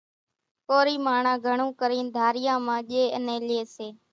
ڪورِي ماڻۿان گھڻو ڪرينَ ڌاريان مان ڄيَ انين ليئيَ سي۔